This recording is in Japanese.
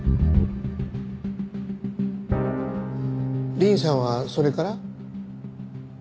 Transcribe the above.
リンさんはそれから？